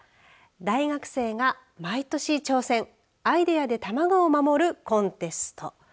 大学生が毎年挑戦アイデアで卵を守るコンテスト。